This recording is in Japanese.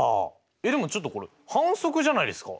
えっでもちょっとこれ反則じゃないですか？